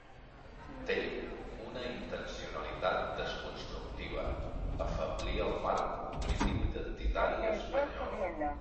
Té una intencionalitat desconstructiva: afeblir el marc cognitiu-identitari espanyol.